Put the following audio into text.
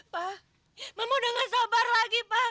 pak mama udah gak sabar lagi pak